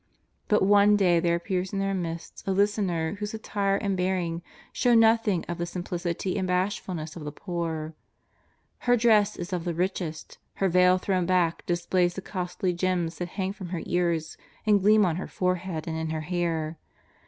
But one day there appears in their midst a listener whose attire and bearing show nothing of the sim plicity and bashfulness of the poor. Her dress is of the richest, her veil thrown back displays the costly gems that hang from her ears and gleam on her fore head and in her hair.